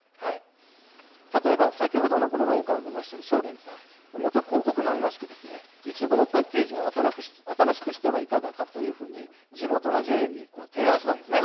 例えば先ほどの農家を目指している正源司さん元広告マンらしくいちごのパッケージを新しくしてはいかがかというふうに、地元のＪＡに提案したんです。